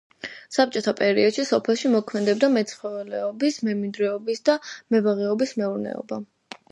საბჭოთა პერიოდში სოფელში მოქმედებდა მეცხოველეობის, მემინდვრეობის და მებაღეობის მეურნეობა.